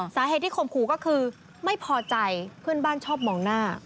สาเหตุที่ข่มขู่ก็คือไม่พอใจเพื่อนบ้านชอบมองหน้า